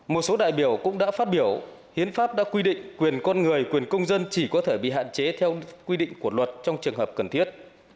một số đại biểu cũng đã phát biểu hiến pháp đã quy định quyền con người quyền công dân chỉ có thể bị hạn chế theo quy định của luật trong trường hợp cần thiết